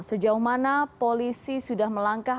sejauh mana polisi sudah melangkah